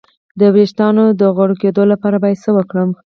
د ویښتو د غوړ کیدو لپاره باید څه وکړم؟